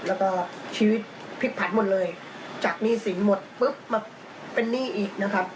แล้วก็ชีวิตพลิกผันหมดเลยจากหนี้สินหมดปุ๊บมาเป็นหนี้อีกนะครับ